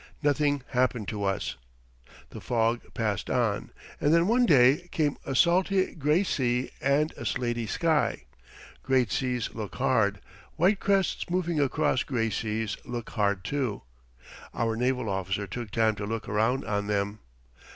Nothing happened to us. The fog passed on, and then one day came a slaty gray sea and a slaty sky. Gray seas look hard; white crests moving across gray seas look hard too. Our naval officer took time to look around on them.